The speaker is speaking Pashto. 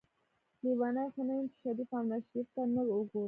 لیونۍ خو نه یم چې شریف او ناشریف ته نه ګورم.